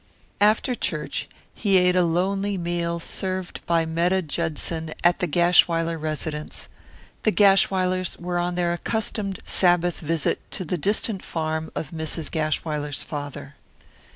After church he ate a lonely meal served by Metta Judson at the Gashwiler residence. The Gashwilers were on their accustomed Sabbath visit to the distant farm of Mrs. Gashwiler's father.